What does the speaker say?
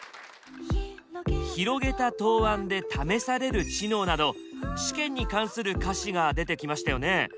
「広げた答案で試される知能」など試験に関する歌詞が出てきましたよね。